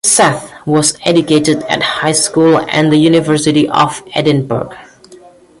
Seth was educated at High School and the University of Edinburgh.